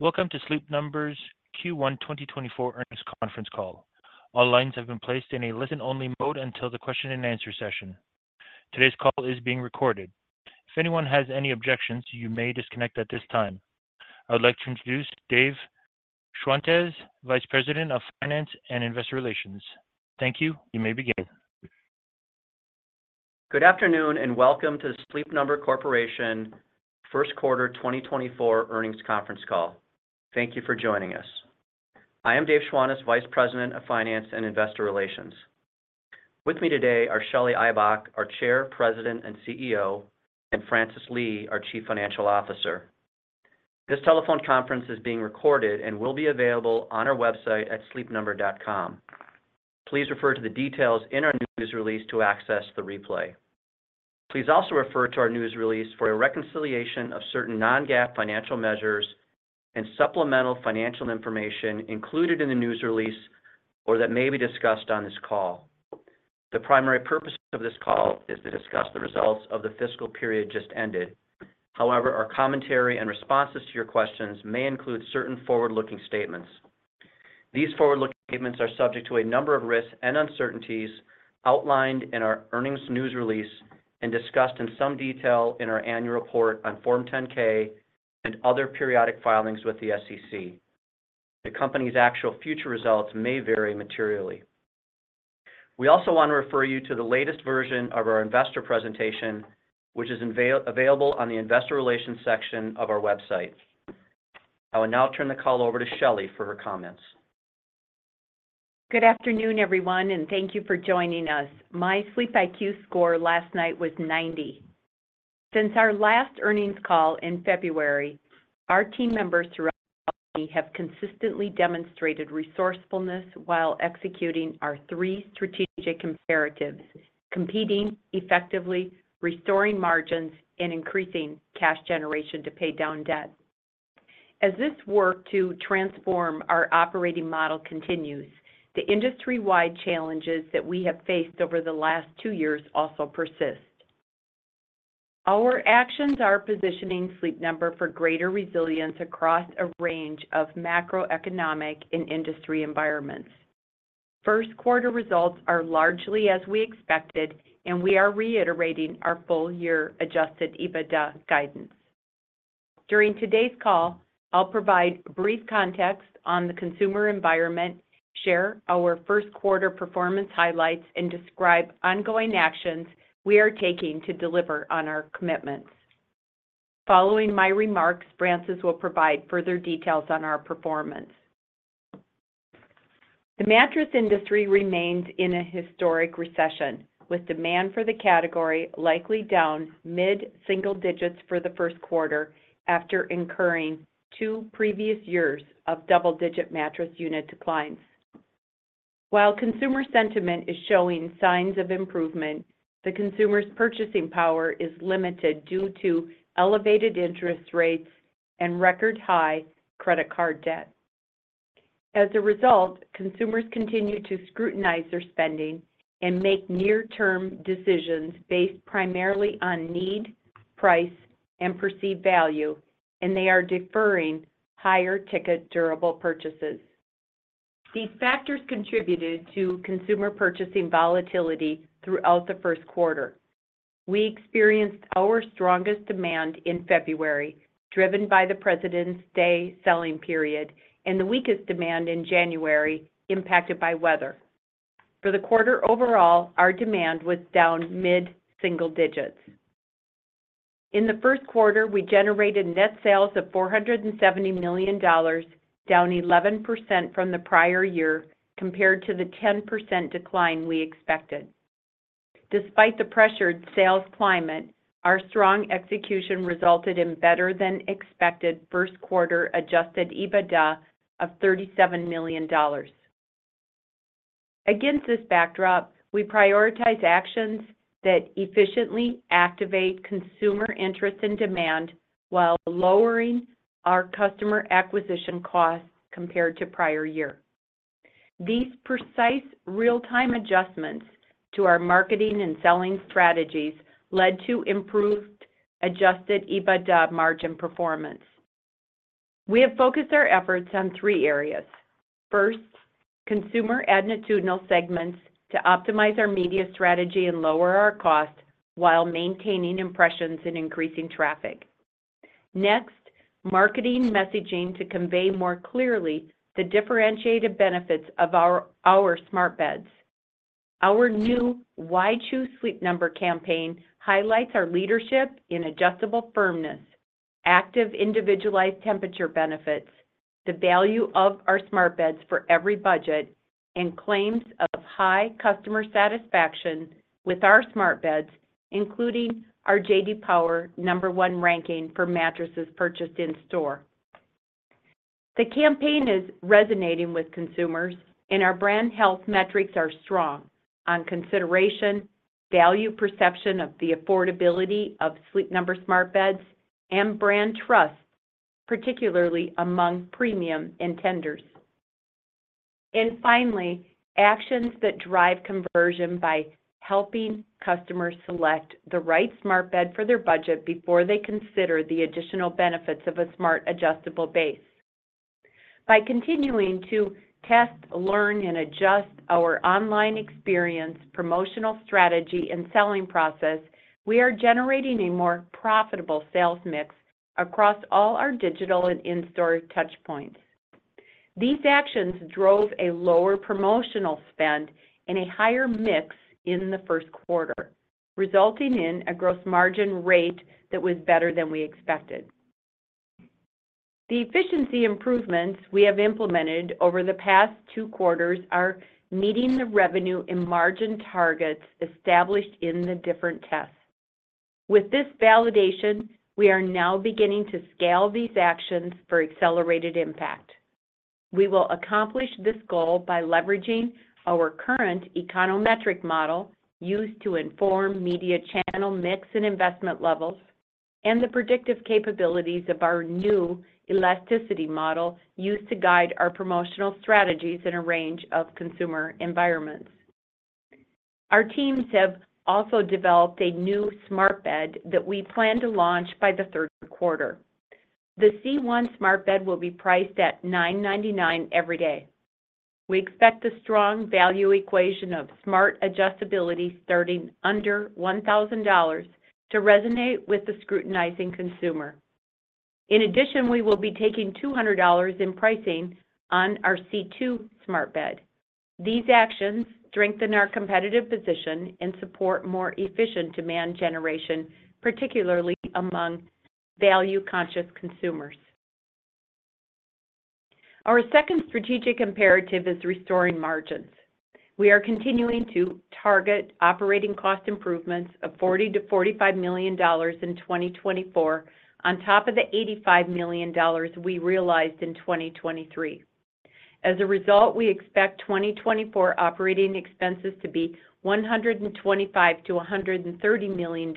Welcome to Sleep Number's Q1 2024 earnings conference call. All lines have been placed in a listen-only mode until the Q&A session. Today's call is being recorded. If anyone has any objections, you may disconnect at this time. I would like to introduce Dave Schwantes, Vice President of Finance and Investor Relations. Thank you. You may begin. Good afternoon and welcome to Sleep Number Corporation Q1 2024 earnings conference call. Thank you for joining us. I am Dave Schwantes, Vice President of Finance and Investor Relations. With me today are Shelly Ibach, our Chair, President, and CEO, and Francis Lee, our Chief Financial Officer. This telephone conference is being recorded and will be available on our website at sleepnumber.com. Please refer to the details in our news release to access the replay. Please also refer to our news release for a reconciliation of certain non-GAAP financial measures and supplemental financial information included in the news release or that may be discussed on this call. The primary purpose of this call is to discuss the results of the fiscal period just ended. However, our commentary and responses to your questions may include certain forward-looking statements. These forward-looking statements are subject to a number of risks and uncertainties outlined in our earnings news release and discussed in some detail in our annual report on Form 10-K and other periodic filings with the SEC. The company's actual future results may vary materially. We also want to refer you to the latest version of our investor presentation, which is available on the Investor Relations section of our website. I will now turn the call over to Shelly for her comments. Good afternoon, everyone, and thank you for joining us. My SleepIQ score last night was 90. Since our last earnings call in February, our team members throughout the company have consistently demonstrated resourcefulness while executing our three strategic imperatives: competing effectively, restoring margins, and increasing cash generation to pay down debt. As this work to transform our operating model continues, the industry-wide challenges that we have faced over the last two years also persist. Our actions are positioning Sleep Number for greater resilience across a range of macroeconomic and industry environments. Q1 results are largely as we expected, and we are reiterating our full-year Adjusted EBITDA guidance. During today's call, I'll provide brief context on the consumer environment, share our Q1 performance highlights, and describe ongoing actions we are taking to deliver on our commitments. Following my remarks, Francis will provide further details on our performance. The mattress industry remains in a historic recession, with demand for the category likely down mid-single digits for the Q1 after incurring two previous years of double-digit mattress unit declines. While consumer sentiment is showing signs of improvement, the consumer's purchasing power is limited due to elevated interest rates and record-high credit card debt. As a result, consumers continue to scrutinize their spending and make near-term decisions based primarily on need, price, and perceived value, and they are deferring higher-ticket durable purchases. These factors contributed to consumer purchasing volatility throughout the Q1. We experienced our strongest demand in February, driven by the Presidents' Day selling period, and the weakest demand in January, impacted by weather. For the quarter overall, our demand was down mid-single digits. In the Q1, we generated net sales of $470 million, down 11% from the prior year compared to the 10% decline we expected. Despite the pressured sales climate, our strong execution resulted in better-than-expected first-quarter adjusted EBITDA of $37 million. Against this backdrop, we prioritize actions that efficiently activate consumer interest and demand while lowering our customer acquisition costs compared to prior year. These precise, real-time adjustments to our marketing and selling strategies led to improved adjusted EBITDA margin performance. We have focused our efforts on three areas: first, consumer attitudinal segments to optimize our media strategy and lower our costs while maintaining impressions and increasing traffic; next, marketing messaging to convey more clearly the differentiated benefits of our Smart Beds. Our new "Why Choose Sleep Number" campaign highlights our leadership in adjustable firmness, active individualized temperature benefits, the value of our Smart Beds for every budget, and claims of high customer satisfaction with our Smart Beds, including our J.D. Power number one ranking for mattresses purchased in-store. The campaign is resonating with consumers, and our brand health metrics are strong on consideration, value perception of the affordability of Sleep Number Smart Beds, and brand trust, particularly among premium intenders. And finally, actions that drive conversion by helping customers select the right Smart Bed for their budget before they consider the additional benefits of a Smart adjustable base. By continuing to test, learn, and adjust our online experience, promotional strategy, and selling process, we are generating a more profitable sales mix across all our digital and in-store touchpoints. These actions drove a lower promotional spend and a higher mix in the Q1, resulting in a gross margin rate that was better than we expected. The efficiency improvements we have implemented over the past two quarters are meeting the revenue and margin targets established in the different tests. With this validation, we are now beginning to scale these actions for accelerated impact. We will accomplish this goal by leveraging our current econometric model used to inform media channel mix and investment levels and the predictive capabilities of our new elasticity model used to guide our promotional strategies in a range of consumer environments. Our teams have also developed a new Smart Bed that we plan to launch by the Q3. The C1 Smart Bed will be priced at $999 every day. We expect the strong value equation of Smart adjustability starting under $1,000 to resonate with the scrutinizing consumer. In addition, we will be taking $200 in pricing on our C2 Smart Bed. These actions strengthen our competitive position and support more efficient demand generation, particularly among value-conscious consumers. Our second strategic comparative is restoring margins. We are continuing to target operating cost improvements of $40-$45 million in 2024 on top of the $85 million we realized in 2023. As a result, we expect 2024 operating expenses to be $125-$130 million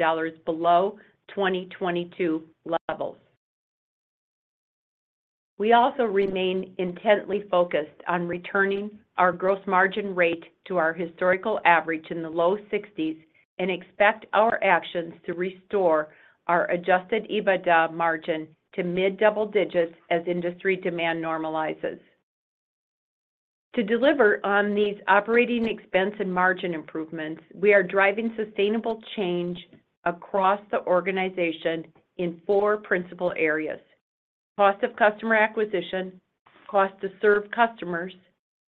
below 2022 levels. We also remain intently focused on returning our gross margin rate to our historical average in the low 60s and expect our actions to restore our adjusted EBITDA margin to mid-double digits as industry demand normalizes. To deliver on these operating expense and margin improvements, we are driving sustainable change across the organization in four principal areas: cost of customer acquisition, cost to serve customers,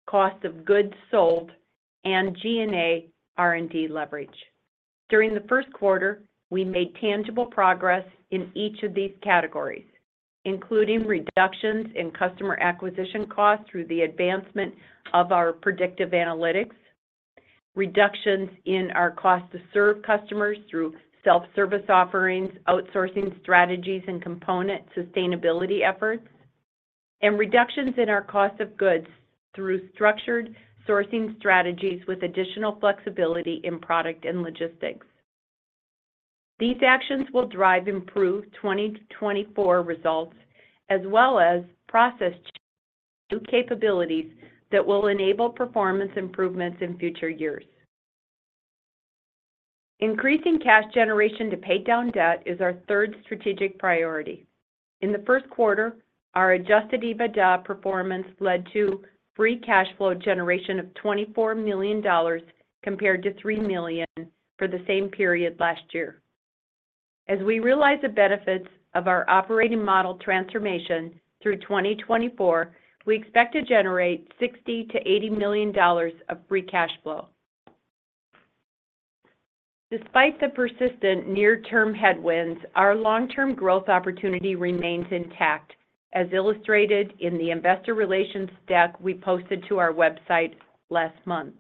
cost of goods sold, and G&A R&D leverage. During the Q1, we made tangible progress in each of these categories, including reductions in customer acquisition costs through the advancement of our predictive analytics, reductions in our cost to serve customers through self-service offerings, outsourcing strategies, and component sustainability efforts, and reductions in our cost of goods through structured sourcing strategies with additional flexibility in product and logistics. These actions will drive improved 2024 results as well as process change capabilities that will enable performance improvements in future years. Increasing cash generation to pay down debt is our third strategic priority. In the Q1, our Adjusted EBITDA performance led to free cash flow generation of $24 million compared to $3 million for the same period last year. As we realize the benefits of our operating model transformation through 2024, we expect to generate $60-$80 million of free cash flow. Despite the persistent near-term headwinds, our long-term growth opportunity remains intact, as illustrated in the investor relations deck we posted to our website last month.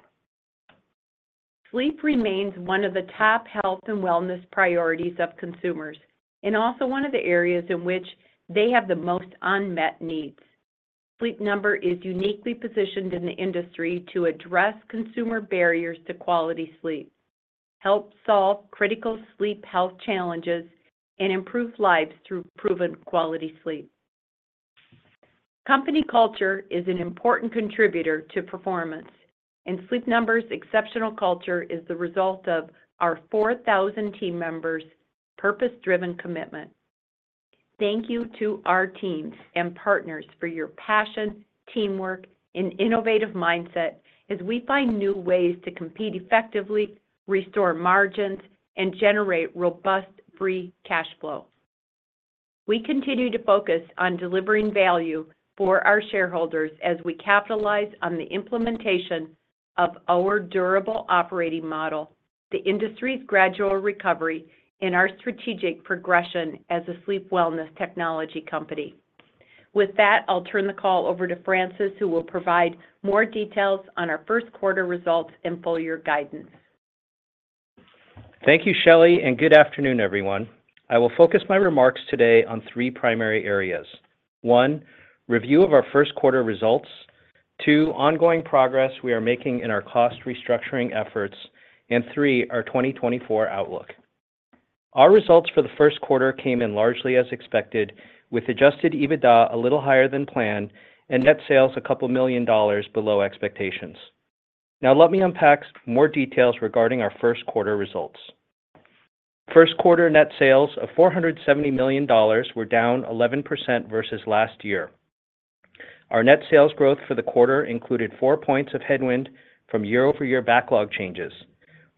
Sleep remains one of the top health and wellness priorities of consumers and also one of the areas in which they have the most unmet needs. Sleep Number is uniquely positioned in the industry to address consumer barriers to quality sleep, help solve critical sleep health challenges, and improve lives through proven quality sleep. Company culture is an important contributor to performance, and Sleep Number's exceptional culture is the result of our 4,000 team members' purpose-driven commitment. Thank you to our teams and partners for your passion, teamwork, and innovative mindset as we find new ways to compete effectively, restore margins, and generate robust free cash flow. We continue to focus on delivering value for our shareholders as we capitalize on the implementation of our durable operating model, the industry's gradual recovery, and our strategic progression as a sleep wellness technology company. With that, I'll turn the call over to Francis, who will provide more details on our Q1 results and full-year guidance. Thank you, Shelly, and good afternoon, everyone. I will focus my remarks today on three primary areas: one, review of our Q1 results. Two, ongoing progress we are making in our cost restructuring efforts. And three, our 2024 outlook. Our results for the Q1 came in largely as expected, with Adjusted EBITDA a little higher than planned and net sales $2 million below expectations. Now, let me unpack more details regarding our Q1 results. Q1 net sales of $470 million were down 11% versus last year. Our net sales growth for the quarter included four points of headwind from year-over-year backlog changes.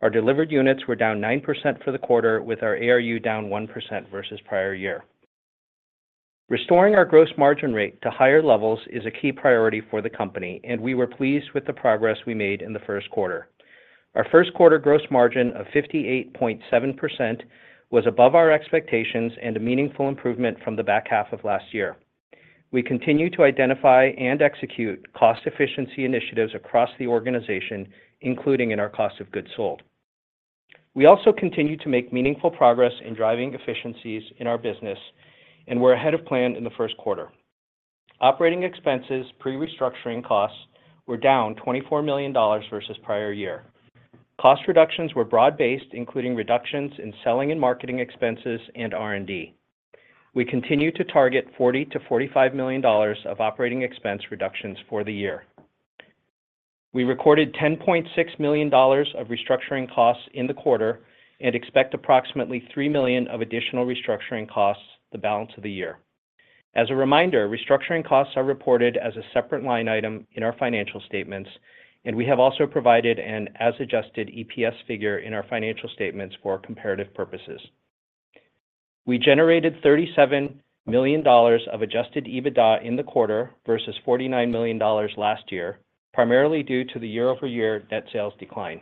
Our delivered units were down 9% for the quarter, with our ARU down 1% versus prior year. Restoring our gross margin rate to higher levels is a key priority for the company, and we were pleased with the progress we made in the Q1. Our Q1 gross margin of 58.7% was above our expectations and a meaningful improvement from the back half of last year. We continue to identify and execute cost efficiency initiatives across the organization, including in our cost of goods sold. We also continue to make meaningful progress in driving efficiencies in our business, and we're ahead of plan in the Q1. Operating expenses, pre-restructuring costs, were down $24 million versus prior year. Cost reductions were broad-based, including reductions in selling and marketing expenses and R&D. We continue to target $40-$45 million of operating expense reductions for the year. We recorded $10.6 million of restructuring costs in the quarter and expect approximately $3 million of additional restructuring costs the balance of the year. As a reminder, restructuring costs are reported as a separate line item in our financial statements, and we have also provided an as-adjusted EPS figure in our financial statements for comparative purposes. We generated $37 million of adjusted EBITDA in the quarter versus $49 million last year, primarily due to the year-over-year net sales decline.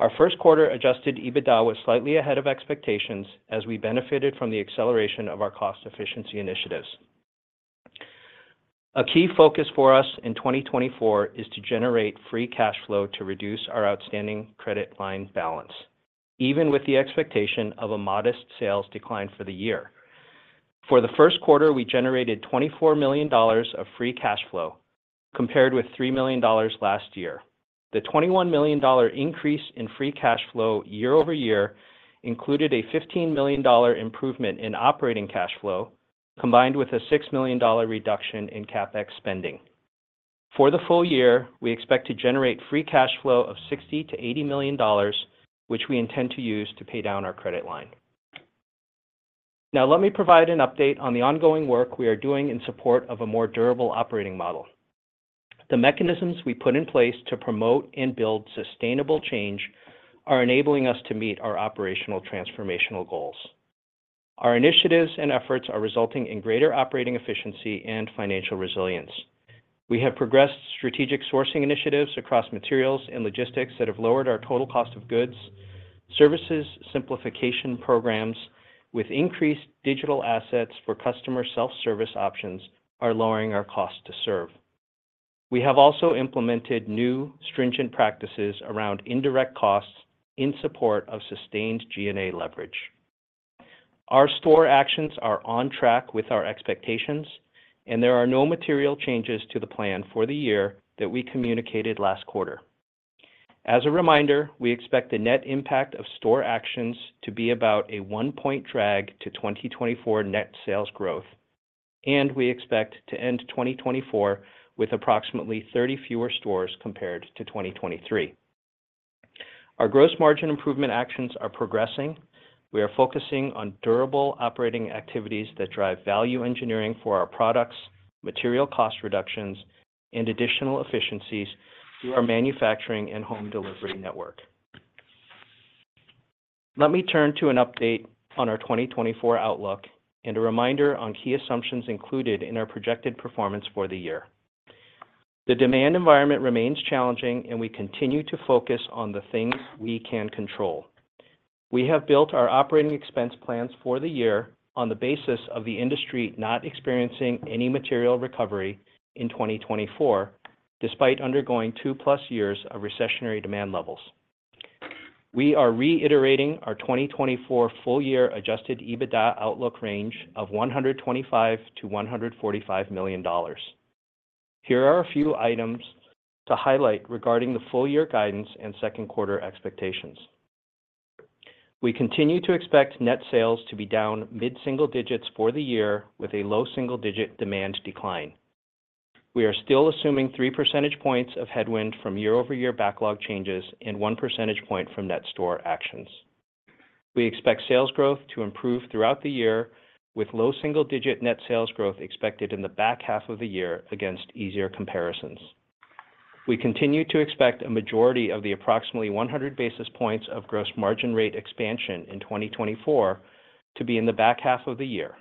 Our Q1 adjusted EBITDA was slightly ahead of expectations as we benefited from the acceleration of our cost efficiency initiatives. A key focus for us in 2024 is to generate free cash flow to reduce our outstanding credit line balance, even with the expectation of a modest sales decline for the year. For the Q1, we generated $24 million of free cash flow compared with $3 million last year. The $21 million increase in free cash flow year-over-year included a $15 million improvement in operating cash flow, combined with a $6 million reduction in CapEx spending. For the full year, we expect to generate free cash flow of $60-$80 million, which we intend to use to pay down our credit line. Now, let me provide an update on the ongoing work we are doing in support of a more durable operating model. The mechanisms we put in place to promote and build sustainable change are enabling us to meet our operational transformational goals. Our initiatives and efforts are resulting in greater operating efficiency and financial resilience. We have progressed strategic sourcing initiatives across materials and logistics that have lowered our total cost of goods. Services simplification programs with increased digital assets for customer self-service options are lowering our cost to serve. We have also implemented new stringent practices around indirect costs in support of sustained G&A leverage. Our store actions are on track with our expectations, and there are no material changes to the plan for the year that we communicated last quarter. As a reminder, we expect the net impact of store actions to be about a one-point drag to 2024 net sales growth, and we expect to end 2024 with approximately 30 fewer stores compared to 2023. Our gross margin improvement actions are progressing. We are focusing on durable operating activities that drive value engineering for our products, material cost reductions, and additional efficiencies through our manufacturing and home delivery network. Let me turn to an update on our 2024 outlook and a reminder on key assumptions included in our projected performance for the year. The demand environment remains challenging, and we continue to focus on the things we can control. We have built our operating expense plans for the year on the basis of the industry not experiencing any material recovery in 2024, despite undergoing 2+ years of recessionary demand levels. We are reiterating our 2024 full-year Adjusted EBITDA outlook range of $125-$145 million. Here are a few items to highlight regarding the full-year guidance and Q2 expectations. We continue to expect net sales to be down mid-single digits for the year with a low single-digit demand decline. We are still assuming 3 percentage points of headwind from year-over-year backlog changes and 1 percentage point from net store actions. We expect sales growth to improve throughout the year, with low single-digit net sales growth expected in the back half of the year against easier comparisons. We continue to expect a majority of the approximately 100 basis points of gross margin rate expansion in 2024 to be in the back half of the year.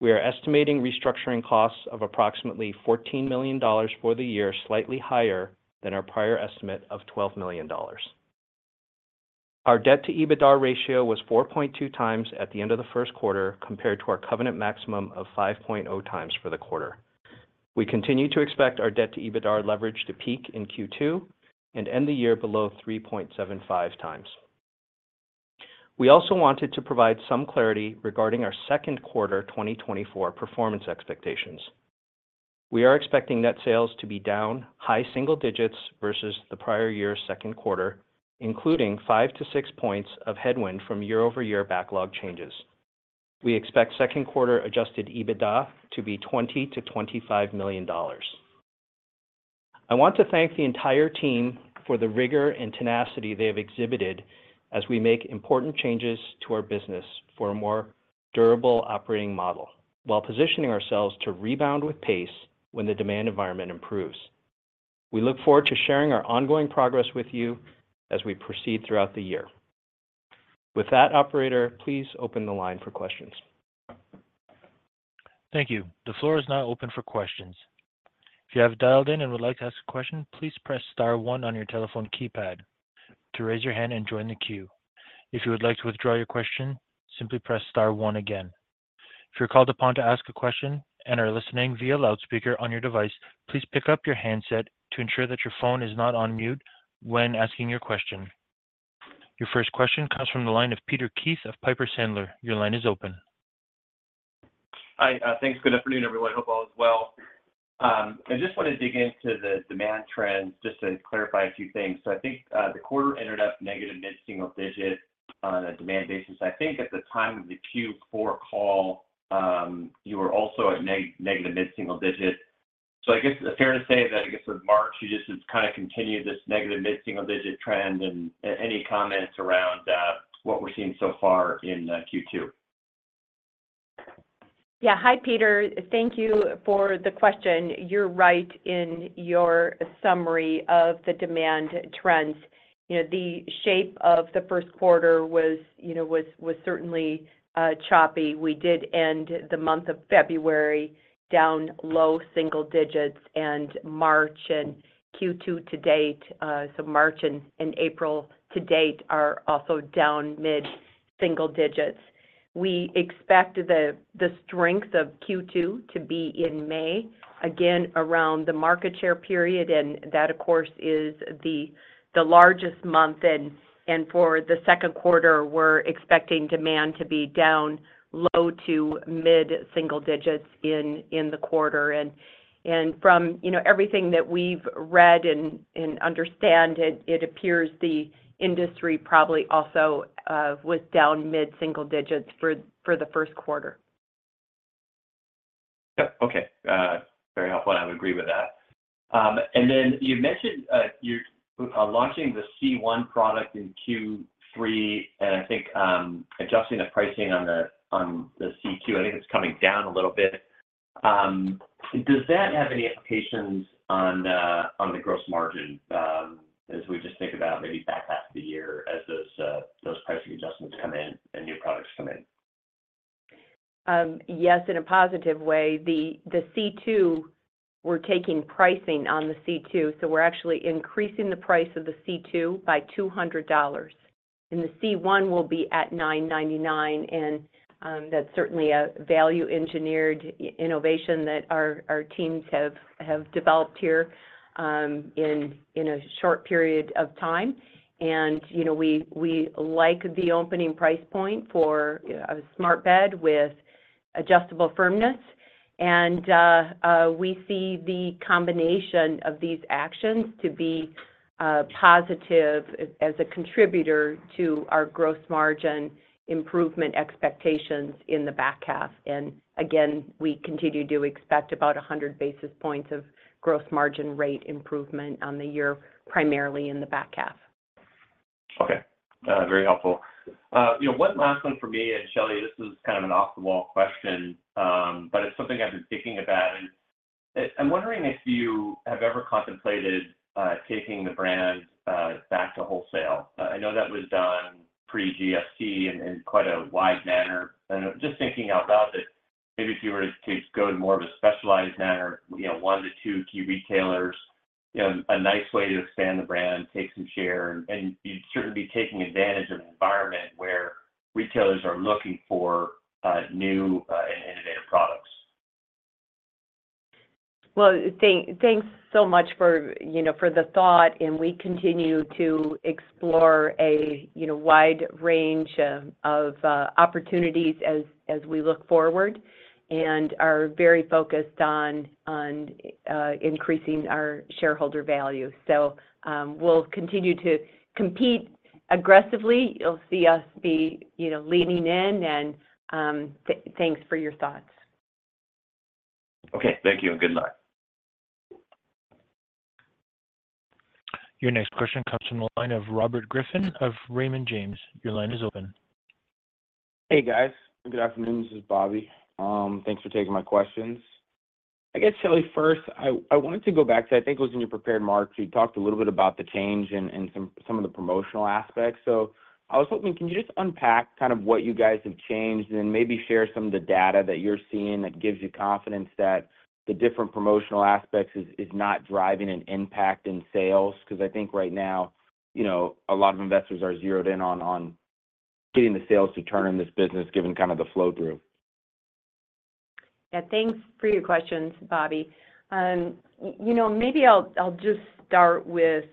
We are estimating restructuring costs of approximately $14 million for the year, slightly higher than our prior estimate of $12 million. Our debt-to-EBITDA ratio was 4.2 times at the end of the Q1 compared to our covenant maximum of 5.0 times for the quarter. We continue to expect our debt-to-EBITDA leverage to peak in Q2 and end the year below 3.75 times. We also wanted to provide some clarity regarding our Q2 2024 performance expectations. We are expecting net sales to be down high single digits versus the prior year's Q2, including 5-6 points of headwind from year-over-year backlog changes. We expect Q2 Adjusted EBITDA to be $20-$25 million. I want to thank the entire team for the rigor and tenacity they have exhibited as we make important changes to our business for a more durable operating model while positioning ourselves to rebound with pace when the demand environment improves. We look forward to sharing our ongoing progress with you as we proceed throughout the year. With that, operator, please open the line for questions. Thank you. The floor is now open for questions. If you have dialed in and would like to ask a question, please press star one on your telephone keypad to raise your hand and join the queue. If you would like to withdraw your question, simply press star one again. If you're called upon to ask a question and are listening via loudspeaker on your device, please pick up your handset to ensure that your phone is not on mute when asking your question. Your first question comes from the line of Peter Keith of Piper Sandler. Your line is open. Hi. Thanks. Good afternoon, everyone. I hope all is well. I just want to dig into the demand trends just to clarify a few things. So I think the quarter ended up negative mid-single digit on a demand basis. I think at the time of the Q4 call, you were also at negative mid-single digit. So I guess fair to say that I guess with March, you just kind of continued this negative mid-single digit trend and any comments around what we're seeing so far in Q2. Yeah. Hi, Peter. Thank you for the question. You're right in your summary of the demand trends. The shape of the Q1 was certainly choppy. We did end the month of February down low single digits, and March and Q2 to date so March and April to date are also down mid-single digits. We expect the strength of Q2 to be in May, again around the market share period, and that, of course, is the largest month. For the Q2, we're expecting demand to be down low to mid-single digits in the quarter. From everything that we've read and understand, it appears the industry probably also was down mid-single digits for the Q1. Yep. Okay. Very helpful. I would agree with that. And then you mentioned you're launching the C1 product in Q3 and I think adjusting the pricing on the C2. I think it's coming down a little bit. Does that have any implications on the gross margin as we just think about maybe back half of the year as those pricing adjustments come in and new products come in? Yes, in a positive way. The C2 we're taking pricing on the C2, so we're actually increasing the price of the C2 by $200. And the C1 will be at $999, and that's certainly a value-engineered innovation that our teams have developed here in a short period of time. And we like the opening price point for a Smart Bed with adjustable firmness. And we see the combination of these actions to be positive as a contributor to our gross margin improvement expectations in the back half. And again, we continue to expect about 100 basis points of gross margin rate improvement on the year, primarily in the back half. Okay. Very helpful. One last one for me and Shelly. This is kind of an off-the-wall question, but it's something I've been thinking about. I'm wondering if you have ever contemplated taking the brand back to wholesale. I know that was done pre-GFC in quite a wide manner. And just thinking out loud that maybe if you were to go to more of a specialized manner, one to two key retailers, a nice way to expand the brand, take some share, and you'd certainly be taking advantage of an environment where retailers are looking for new and innovative products. Well, thanks so much for the thought, and we continue to explore a wide range of opportunities as we look forward and are very focused on increasing our shareholder value. We'll continue to compete aggressively. You'll see us be leaning in, and thanks for your thoughts. Okay. Thank you, and good luck. Your next question comes from the line of Robert Griffin of Raymond James. Your line is open. Hey, guys. Good afternoon. This is Bobby. Thanks for taking my questions. I guess, Shelly, first, I wanted to go back to I think it was in your prepared remarks. You talked a little bit about the change and some of the promotional aspects. So I was hoping, can you just unpack kind of what you guys have changed and maybe share some of the data that you're seeing that gives you confidence that the different promotional aspects is not driving an impact in sales? Because I think right now, a lot of investors are zeroed in on getting the sales to turn in this business given kind of the flow-through. Yeah. Thanks for your questions, Bobby. Maybe I'll just start with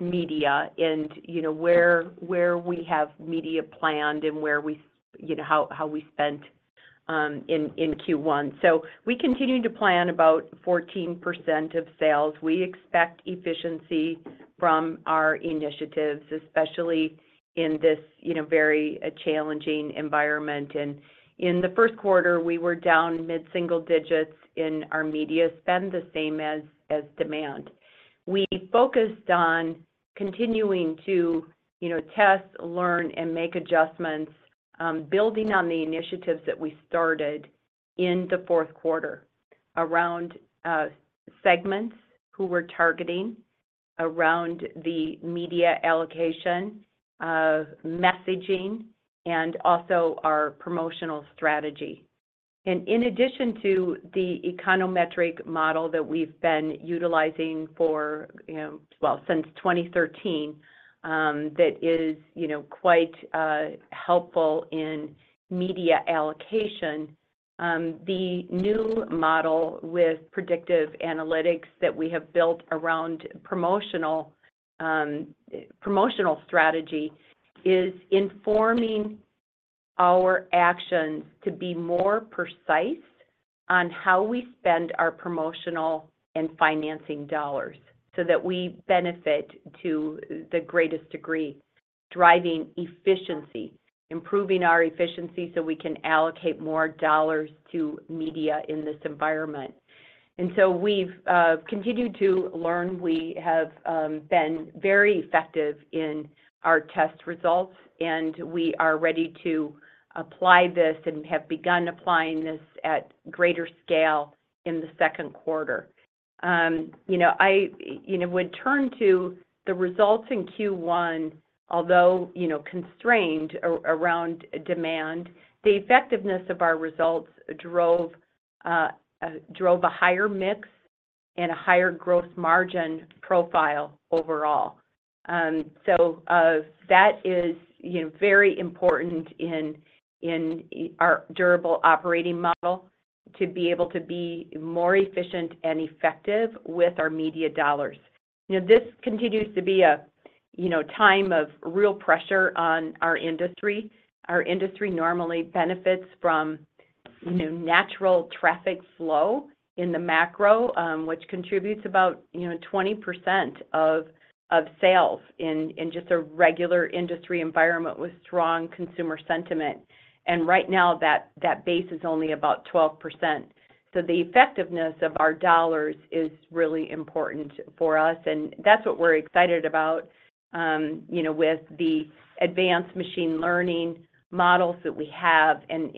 media and where we have media planned and how we spent in Q1. So we continue to plan about 14% of sales. We expect efficiency from our initiatives, especially in this very challenging environment. And in the Q1, we were down mid-single digits in our media spend, the same as demand. We focused on continuing to test, learn, and make adjustments, building on the initiatives that we started in the Q4 around segments who we're targeting, around the media allocation, messaging, and also our promotional strategy. In addition to the econometric model that we've been utilizing for, well, since 2013, that is quite helpful in media allocation, the new model with predictive analytics that we have built around promotional strategy is informing our actions to be more precise on how we spend our promotional and financing dollars so that we benefit to the greatest degree, driving efficiency, improving our efficiency so we can allocate more dollars to media in this environment. So we've continued to learn. We have been very effective in our test results, and we are ready to apply this and have begun applying this at greater scale in the Q2. I would turn to the results in Q1. Although constrained around demand, the effectiveness of our results drove a higher mix and a higher gross margin profile overall. That is very important in our durable operating model to be able to be more efficient and effective with our media dollars. This continues to be a time of real pressure on our industry. Our industry normally benefits from natural traffic flow in the macro, which contributes about 20% of sales in just a regular industry environment with strong consumer sentiment. And right now, that base is only about 12%. The effectiveness of our dollars is really important for us, and that's what we're excited about with the advanced machine learning models that we have and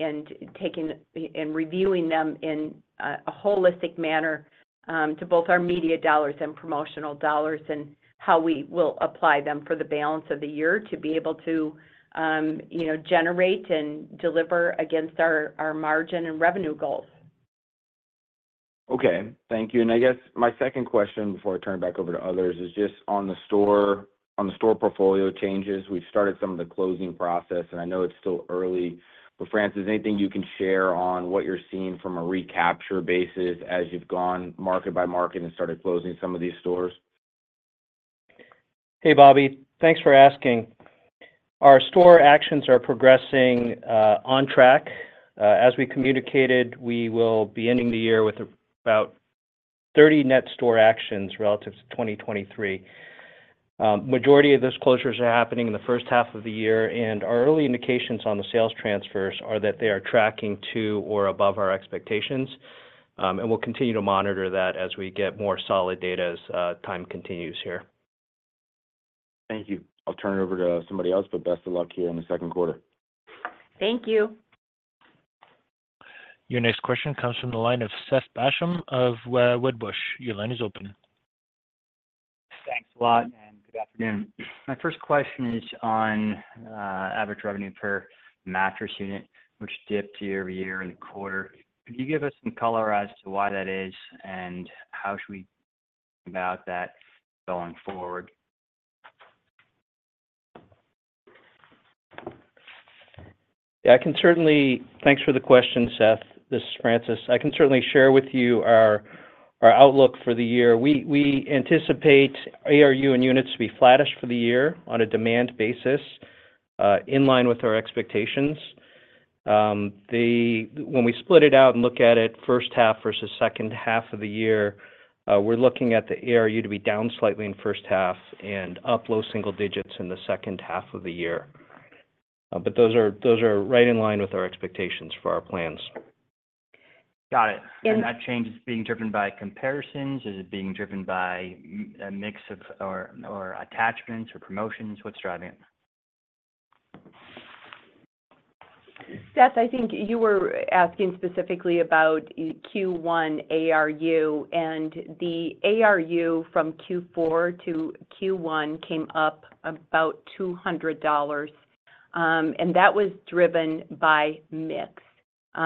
reviewing them in a holistic manner to both our media dollars and promotional dollars and how we will apply them for the balance of the year to be able to generate and deliver against our margin and revenue goals. Okay. Thank you. And I guess my second question before I turn it back over to others is just on the store portfolio changes. We've started some of the closing process, and I know it's still early. But Francis, anything you can share on what you're seeing from a recapture basis as you've gone market by market and started closing some of these stores? Hey, Bobby. Thanks for asking. Our store actions are progressing on track. As we communicated, we will be ending the year with about 30 net store actions relative to 2023. The majority of those closures are happening in the first half of the year, and our early indications on the sales transfers are that they are tracking to or above our expectations. And we'll continue to monitor that as we get more solid data as time continues here. Thank you. I'll turn it over to somebody else, but best of luck here in the Q2. Thank you. Your next question comes from the line of Seth Basham of Wedbush. Your line is open. Thanks a lot, and good afternoon. My first question is on average revenue per mattress unit, which dipped year-over-year in the quarter. Could you give us some color as to why that is and how should we think about that going forward? Yeah. Thanks for the question, Seth. This is Francis. I can certainly share with you our outlook for the year. We anticipate ARU and units to be flattest for the year on a demand basis in line with our expectations. When we split it out and look at it first half versus second half of the year, we're looking at the ARU to be down slightly in first half and up low single digits in the second half of the year. But those are right in line with our expectations for our plans. Got it. And that change is being driven by comparisons? Is it being driven by a mix of attachments or promotions? What's driving it? Seth, I think you were asking specifically about Q1 ARU, and the ARU from Q4 to Q1 came up about $200. That was driven by mix,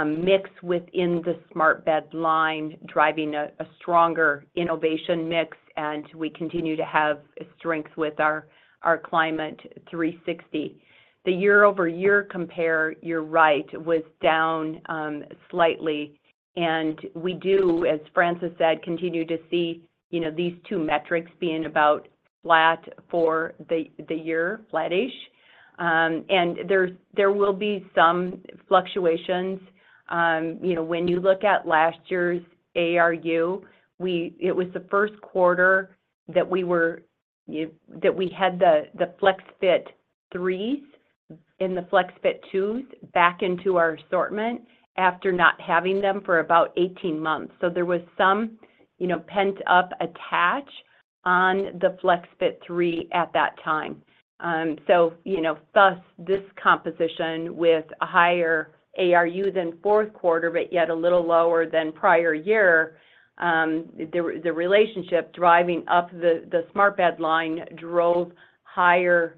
mix within the Smart Bed line driving a stronger innovation mix, and we continue to have strength with our Climate360. The year-over-year compare, you're right, was down slightly. We do, as Francis said, continue to see these two metrics being about flat for the year, flat-ish. There will be some fluctuations. When you look at last year's ARU, it was the Q1 that we had the FlexFit 3s and the FlexFit 2s back into our assortment after not having them for about 18 months. So there was some pent-up attach on the FlexFit 3 at that time. So thus, this composition with a higher ARU than Q4 but yet a little lower than prior year, the relationship driving up the SmartBed line drove higher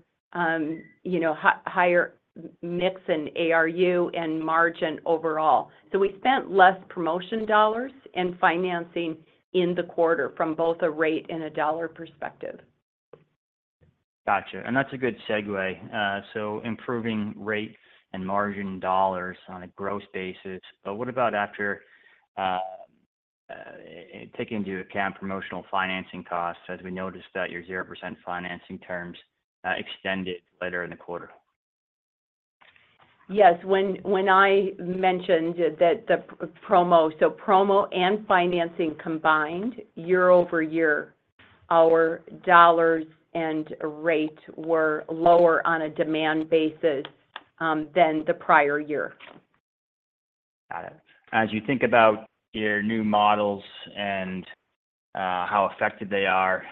mix and ARU and margin overall. So we spent less promotion dollars and financing in the quarter from both a rate and a dollar perspective. Gotcha. That's a good segue. Improving rate and margin dollars on a gross basis. But what about after taking into account promotional financing costs as we noticed that your 0% financing terms extended later in the quarter? Yes. When I mentioned that the promo, so promo and financing combined, year-over-year, our dollars and rate were lower on a demand basis than the prior year. Got it. As you think about your new models and how effective they are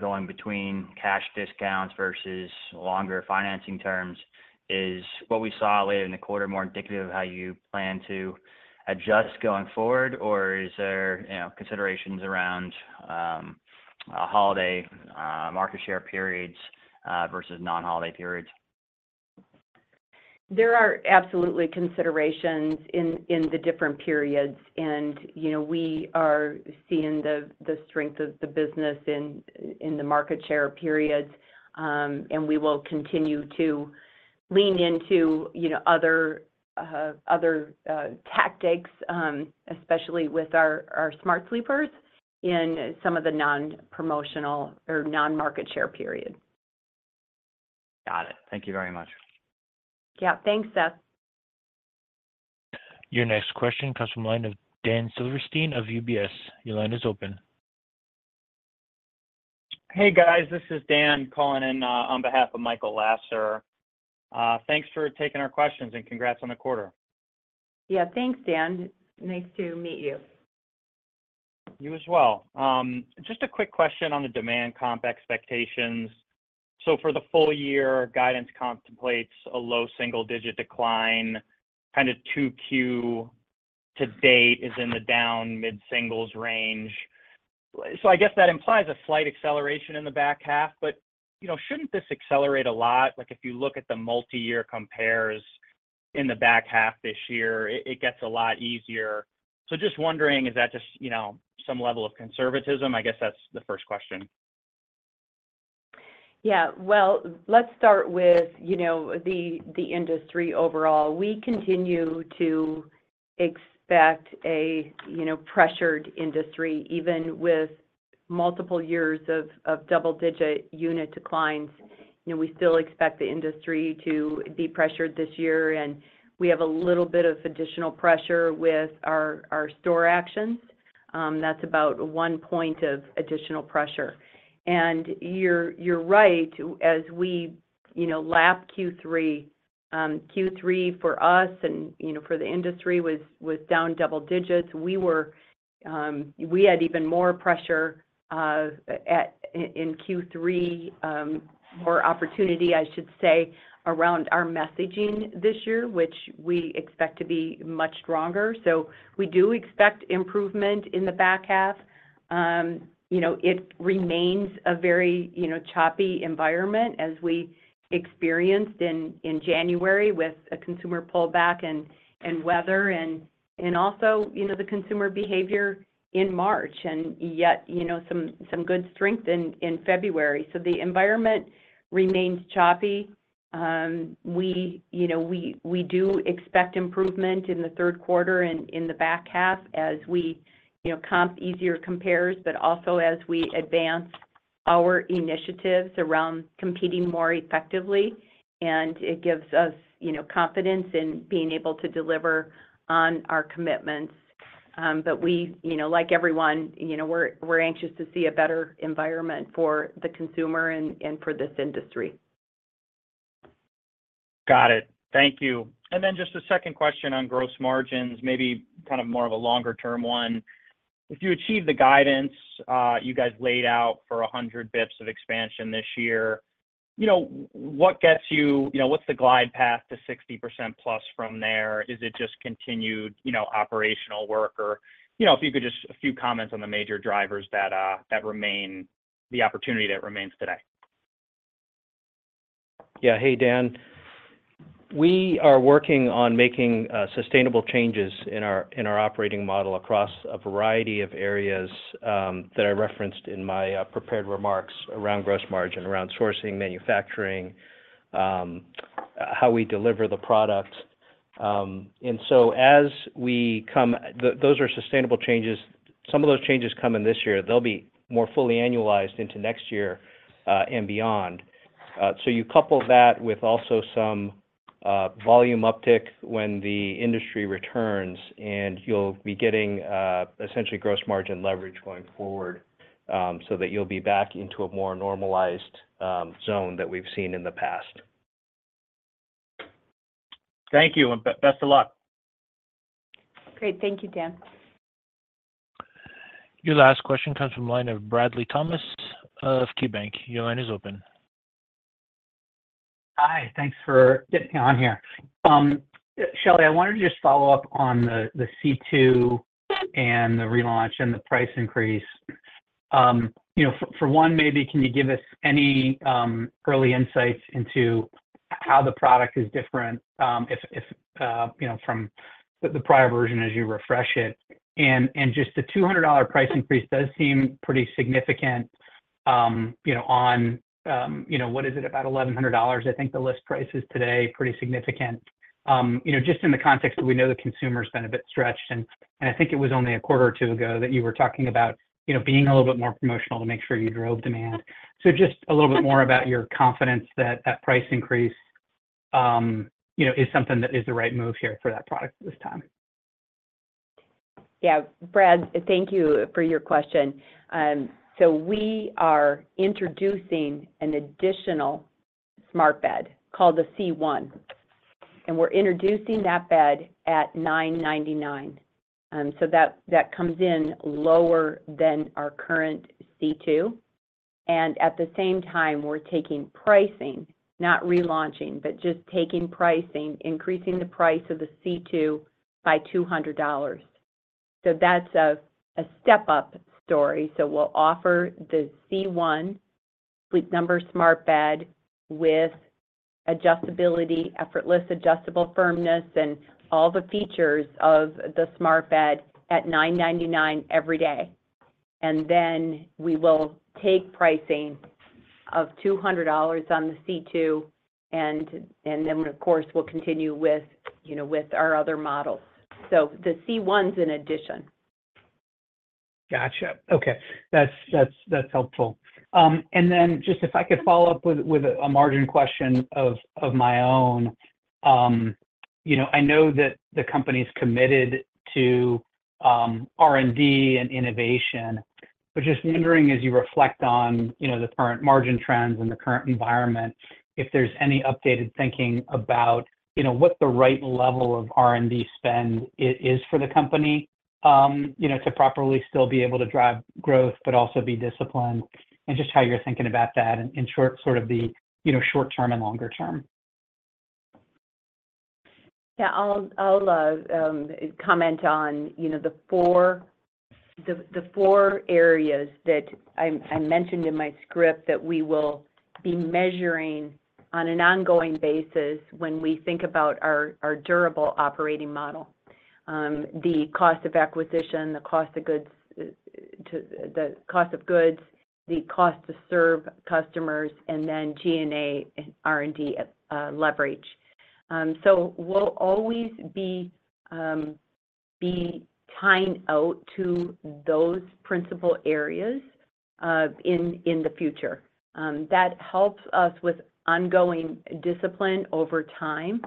going between cash discounts versus longer financing terms, is what we saw later in the quarter more indicative of how you plan to adjust going forward, or is there considerations around holiday market share periods versus non-holiday periods? There are absolutely considerations in the different periods, and we are seeing the strength of the business in the market share periods. We will continue to lean into other tactics, especially with our Smart Sleepers in some of the non-promotional or non-market share period. Got it. Thank you very much. Yeah. Thanks, Seth. Your next question comes from the line of Dan Silverstein of UBS. Your line is open. Hey, guys. This is Dan calling in on behalf of Michael Lasser. Thanks for taking our questions, and congrats on the quarter. Yeah. Thanks, Dan. Nice to meet you. You as well. Just a quick question on the demand comp expectations. So for the full year, guidance contemplates a low single-digit decline. Kind of 2Q to date is in the down mid-singles range. So I guess that implies a slight acceleration in the back half. But shouldn't this accelerate a lot? If you look at the multi-year compares in the back half this year, it gets a lot easier. So just wondering, is that just some level of conservatism? I guess that's the first question. Yeah. Well, let's start with the industry overall. We continue to expect a pressured industry even with multiple years of double-digit unit declines. We still expect the industry to be pressured this year, and we have a little bit of additional pressure with our store actions. That's about one point of additional pressure. And you're right. As we lap Q3, Q3 for us and for the industry was down double digits, we had even more pressure in Q3, more opportunity, I should say, around our messaging this year, which we expect to be much stronger. So we do expect improvement in the back half. It remains a very choppy environment as we experienced in January with a consumer pullback and weather and also the consumer behavior in March and yet some good strength in February. So the environment remains choppy. We do expect improvement in the Q3 and in the back half as we comp easier compares but also as we advance our initiatives around competing more effectively. It gives us confidence in being able to deliver on our commitments. Like everyone, we're anxious to see a better environment for the consumer and for this industry. Got it. Thank you. Then just a second question on gross margins, maybe kind of more of a longer-term one. If you achieve the guidance you guys laid out for 100 basis points of expansion this year, what gets you what's the glide path to 60%+ from there? Is it just continued operational work? Or if you could just a few comments on the major drivers that remain the opportunity that remains today. Yeah. Hey, Dan. We are working on making sustainable changes in our operating model across a variety of areas that I referenced in my prepared remarks around gross margin, around sourcing, manufacturing, how we deliver the product. And so as we come those are sustainable changes. Some of those changes come in this year. They'll be more fully annualized into next year and beyond. So you couple that with also some volume uptick when the industry returns, and you'll be getting essentially gross margin leverage going forward so that you'll be back into a more normalized zone that we've seen in the past. Thank you. And best of luck. Great. Thank you, Dan. Your last question comes from the line of Bradley Thomas of KeyBanc. Your line is open. Hi. Thanks for getting me on here. Shelly, I wanted to just follow up on the C2 and the relaunch and the price increase. For one, maybe can you give us any early insights into how the product is different from the prior version as you refresh it? And just the $200 price increase does seem pretty significant on what is it? About $1,100, I think the list price is today, pretty significant just in the context that we know the consumer's been a bit stretched. And I think it was only a quarter or two ago that you were talking about being a little bit more promotional to make sure you drove demand. So just a little bit more about your confidence that that price increase is something that is the right move here for that product this time. Yeah. Brad, thank you for your question. So we are introducing an additional Smart Bed called the C1. And we're introducing that bed at $999. So that comes in lower than our current C2. And at the same time, we're taking pricing, not relaunching, but just taking pricing, increasing the price of the C2 by $200. So that's a step-up story. So we'll offer the C1 Sleep Number Smart Bed with effortless adjustable firmness and all the features of the Smart Bed at $999 every day. And then we will take pricing of $200 on the C2, and then, of course, we'll continue with our other models. So the C1's an addition. Gotcha. Okay. That's helpful. And then just if I could follow up with a margin question of my own, I know that the company's committed to R&D and innovation, but just wondering, as you reflect on the current margin trends and the current environment, if there's any updated thinking about what the right level of R&D spend is for the company to properly still be able to drive growth but also be disciplined, and just how you're thinking about that in sort of the short-term and longer-term. Yeah. I'll comment on the four areas that I mentioned in my script that we will be measuring on an ongoing basis when we think about our durable operating model: the cost of acquisition, the cost of goods, the cost to serve customers, and then G&A and R&D leverage. So we'll always be tying out to those principal areas in the future. That helps us with ongoing discipline over time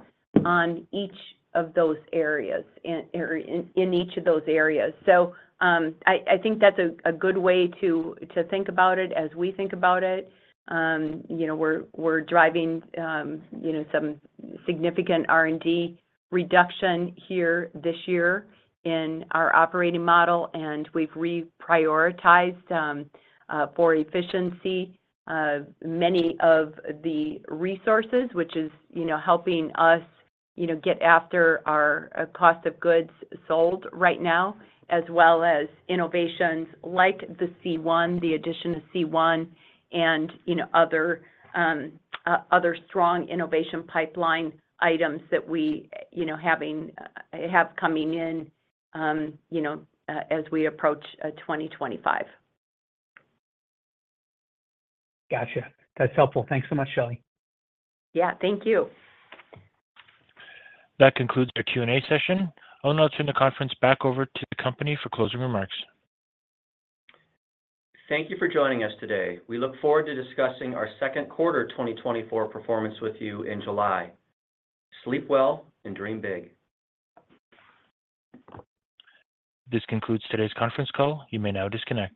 on each of those areas in each of those areas. So I think that's a good way to think about it as we think about it. We're driving some significant R&D reduction here this year in our operating model, and we've reprioritized for efficiency many of the resources, which is helping us get after our cost of goods sold right now, as well as innovations like the C1, the addition of C1, and other strong innovation pipeline items that we have coming in as we approach 2025. Gotcha. That's helpful. Thanks so much, Shelly. Yeah. Thank you. That concludes our Q&A session. I'll now turn the conference back over to the company for closing remarks. Thank you for joining us today. We look forward to discussing our Q2 2024 performance with you in July. Sleep well and dream big. This concludes today's conference call. You may now disconnect.